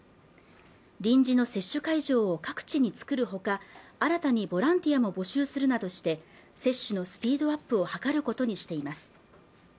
臨時の接種会場を各地に作るほか新たにボランティアも募集するなどして接種のスピードアップを図ることにしています